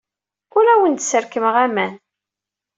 Ur awen-d-sserkameɣ aman.